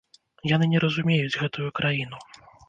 Яны не разумеюць гэтую краіну.